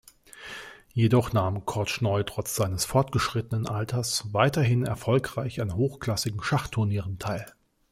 Jedoch nahm Kortschnoi trotz seines fortgeschrittenen Alters weiterhin erfolgreich an hochklassigen Schachturnieren teil.